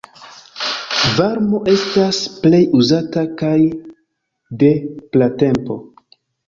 Varmo estas plej uzata, kaj de pratempo.